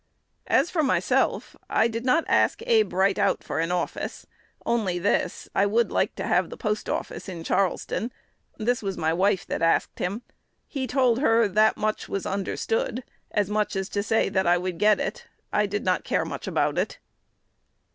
"As for myself, I did not ask Abe right out for an office, only this: I would like to have the post office in Charleston; this was my wife that asked him. He told her that much was understood, as much as to say that I would get it. I did not care much about it."